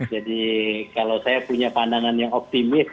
jadi kalau saya punya pandangan yang optimis